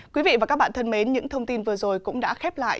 quý vị và các bạn thân mến những thông tin vừa rồi cũng đã khép lại